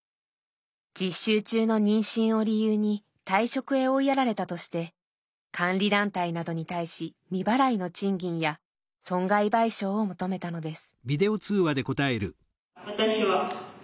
実習中の妊娠を理由に退職へ追いやられたとして監理団体などに対し未払いの賃金や損害賠償を求めたのです。